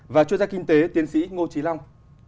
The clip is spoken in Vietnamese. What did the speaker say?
và chuyên gia kinh tế tiến sĩ ngô trí long